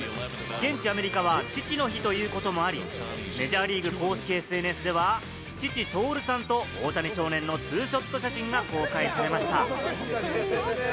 現地アメリカは父の日ということもあり、メジャーリーグ公式ＳＮＳでは父・徹さんと大谷少年のツーショット写真が公開されました。